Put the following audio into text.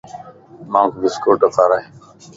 مانک بسڪوٽ ڪارائي